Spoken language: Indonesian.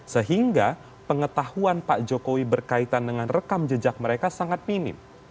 sehingga pengetahuan pak jokowi berkaitan dengan rekam jejak mereka sangat minim